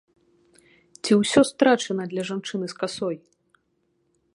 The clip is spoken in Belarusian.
Ці ўсё страчана для жанчыны з касой?